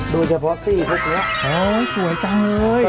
ดูเฉพาะสี่พวกนี้โห้ยยหวังสวยจร้อย